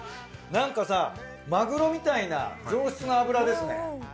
なんかさマグロみたいな上質な脂ですね。